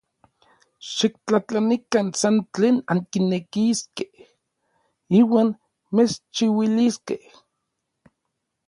Xiktlajtlanikan san tlen ankinekiskej, iuan mechchiuiliskej.